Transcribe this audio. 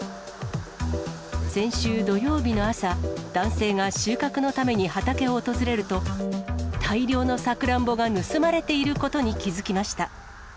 先週土曜日の朝、男性が収穫のために畑を訪れると、大量のサクランボが盗まれていることに気付きました。